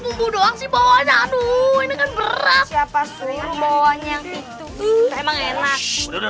betul tidak mau penyelilih